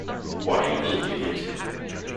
Why, you little idiot!